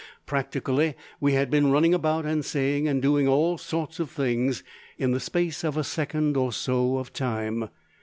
Practically we had been running about and saying and doing all sorts of things in the space of a second or so of time.